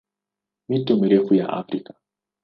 Mito mirefu ya Afrika